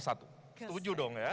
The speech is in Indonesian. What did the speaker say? satu ke tujuh dong ya